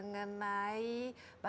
karena semuanya menjadi betul